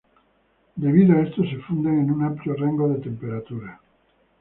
Debido a esto, se funden en un amplio rango de temperaturas.